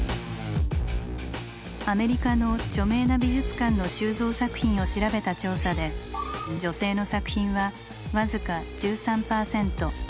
アメリカの著名な美術館の収蔵作品を調べた調査で女性の作品は僅か１３％。